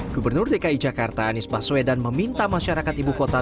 gubernur dki jakarta anies baswedan meminta masyarakat ibu kota